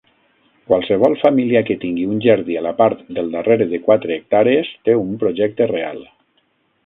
Qualsevol família que tingui un jardí a la part del darrere de quatre hectàrees té un projecte real.